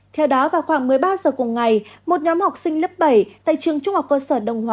theo đó vào khoảng một mươi ba giờ cùng ngày một nhóm học sinh lớp bảy tại trường trung học cơ sở đông hòa